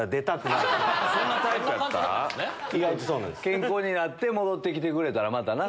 健康になって戻って来てくれたらまたな。